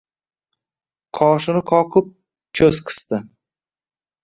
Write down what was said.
Qoshini qoqib, koʼz qisdi.